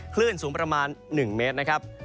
คลื่นสูงประมาณ๑เมตรนะครับ